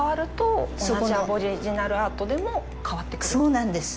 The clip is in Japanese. そうなんです。